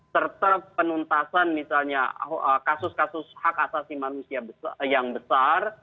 serta penuntasan misalnya kasus kasus hak asasi manusia yang besar